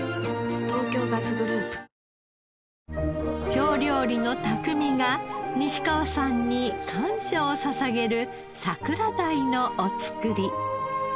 京料理の匠が西川さんに感謝を捧げる桜鯛のお造り。